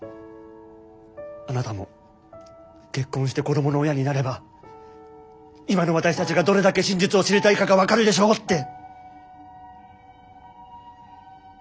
「あなたも結婚して子供の親になれば今の私たちがどれだけ真実を知りたいかが分かるでしょう」って。